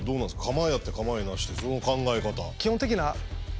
「構えあって構えなし」ってその考え方。